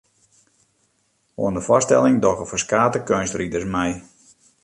Oan de foarstelling dogge ferskate keunstriders mei.